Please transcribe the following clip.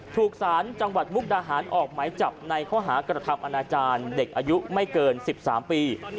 ถูกสารจังหวัดมุกดาหารออกหมายจับในข้อหากระทำอนาจารย์เด็กอายุไม่เกิน๑๓ปี